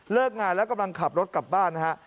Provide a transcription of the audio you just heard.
งานแล้วกำลังขับรถกลับบ้านนะฮะ